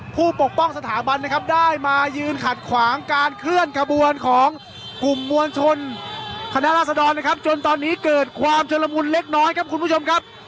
ปกป้องสถาบันนะครับได้มายืนขัดขวางการเคลื่อนขบวนของกลุ่มมวลชนคณะราษดรนะครับจนตอนนี้เกิดความชุดละมุนเล็กน้อยครับคุณผู้ชมครับ